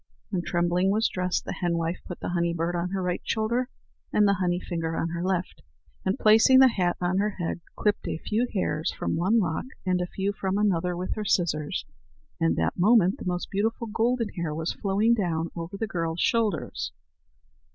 When Trembling was dressed, the henwife put the honey bird on her right shoulder and the honey finger on her left, and, placing the hat on her head, clipped a few hairs from one lock and a few from another with her scissors, and that moment the most beautiful golden hair was flowing down over the girl's shoulders.